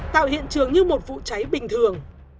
tạo hiện trường như một vụ cháy bình thường